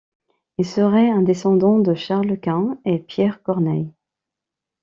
Il serait un descendant de Charles Quint et Pierre Corneille.